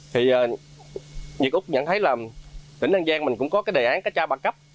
thì nhật úc nhận thấy là tỉnh an giang mình cũng có cái đề án cá tra ba cấp